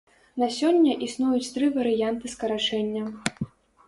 На сёння існуюць тры варыянты скарачэння.